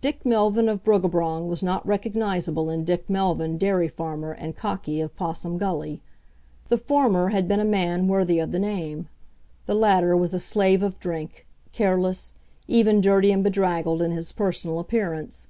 Dick Melvyn of Bruggabrong was not recognizable in Dick Melvyn, dairy farmer and cocky of Possum Gully. The former had been a man worthy of the name. The latter was a slave of drink, careless, even dirty and bedraggled in his personal appearance.